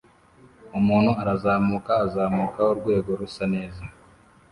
Umuntu arazamuka azamuka urwego rusa neza